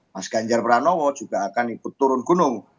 mas ganjar pranowo juga akan ikut turun gunung